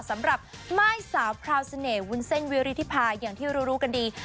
สำหรับม่ายสาวพราวเสน่หวุ้นเส้นวิริธิพาอย่างที่รู้กันดี